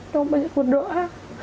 kamu banyak berdoa